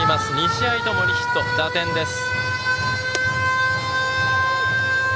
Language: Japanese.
２試合ともにヒット、打点です。